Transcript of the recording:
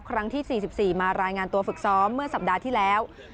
ครั้งที่๔๔มารายงานตัวฝึกซ้อมเมื่อสัปดาห์ที่แล้ว